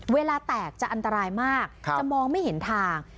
เวลาแตกจะอันตรายมากจะมองไม่เห็นทาง